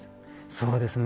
そうですね。